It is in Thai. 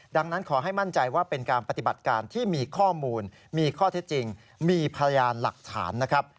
ดังนั้นขอให้มั่นใจว่าเป็นการปฏิบัติการที่มีข้อมูลมีข้อเท็จจริงมีพยานหลักฐานนะครับ